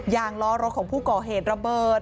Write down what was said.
ยางล้อรถของผู้ก่อเหตุระเบิด